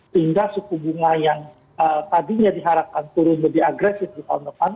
sehingga suku bunga yang tadinya diharapkan turun lebih agresif di tahun depan